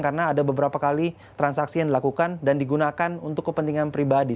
karena ada beberapa kali transaksi yang dilakukan dan digunakan untuk kepentingan pribadi